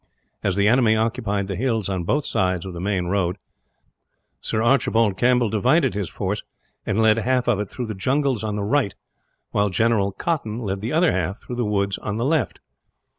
As the enemy occupied the hills on both sides of the main road, Sir A. Campbell divided his force and led half of it through the jungle on the right, while General Cotton led the other half through the woods on the left.